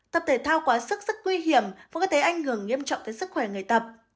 tập thể thao quá sức rất nguy hiểm không có thể ảnh hưởng nghiêm trọng tới sức khỏe người tập